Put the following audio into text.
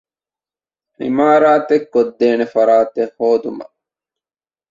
ޢިމާރާތެއް ކޮށްދޭނެ ފަރާތެއް ހޯދުމަށް